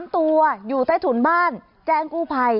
๓ตัวอยู่ใต้ถุนบ้านแจ้งกู้ภัย